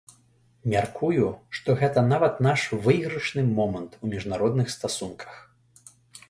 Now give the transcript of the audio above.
Мяркую, што гэта нават наш выйгрышны момант у міжнародных стасунках.